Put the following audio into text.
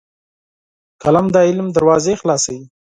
قلم د علم دروازې خلاصوي